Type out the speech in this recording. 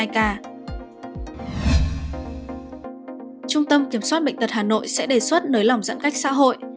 trung tâm kiểm soát bệnh tật hà nội sẽ đề xuất nới lỏng giãn cách xã hội